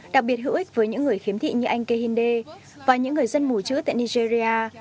đặc biệt hữu ích với những người khiếm thị như anh kehinde và những người dân mùi chữ tại nigeria